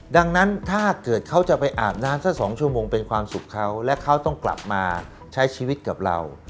ดังนั้นถ้าเกิดเขาจะไปอาบน้ำสัก๒ชั่วโมงเป็นความสุขเขาและเขาต้องกลับมาใช้ชีวิตกับเรา